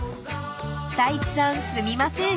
［太一さんすみません。